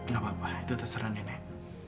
gak apa apa itu terserah nenek